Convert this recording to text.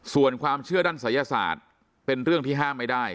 ส่วนความเชื่อด้านศัยศาสตร์เป็นเรื่องที่ห้ามไม่ได้